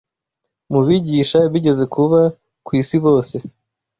Mu bigisha bigeze kuba ku isi bose